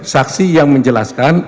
saksi yang menjelaskan